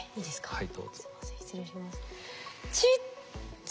はい。